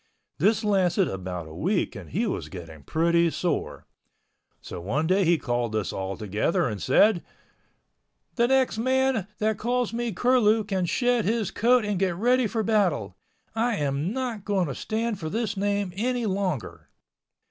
This lasted about a week and he was getting pretty sore. So one day he called us all together and said, "The next man that calls me 'Curlew' can shed his coat and get ready for battle. I am not going to stand for this name any longer."